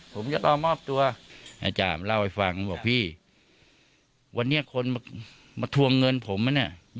ผมจะเอามอบตัวอาจารย์เล่าให้ฟังบอกพี่วันนี้คนมาทวงเงินผมไหมเนี่ย